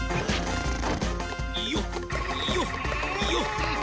よっよっよっよっ。